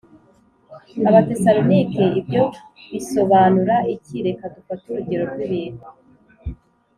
Abatesalonike ibyo bisobanura iki reka dufate urugero rw ibintu